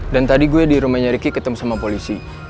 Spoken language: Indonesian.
dan tadi gue di rumahnya ricky ketemu sama polisi